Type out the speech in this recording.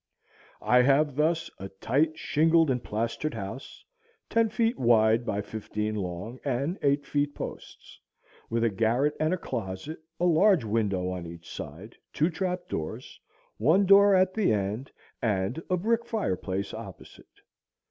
I have thus a tight shingled and plastered house, ten feet wide by fifteen long, and eight feet posts, with a garret and a closet, a large window on each side, two trap doors, one door at the end, and a brick fireplace opposite.